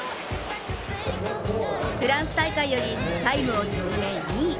フランス大会よりタイムを縮め２位。